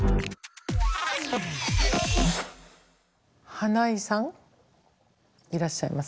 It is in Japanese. ハナイさんいらっしゃいますか？